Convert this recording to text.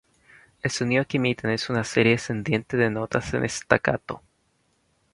El sonido que emiten es una serie descendente de notas en staccato.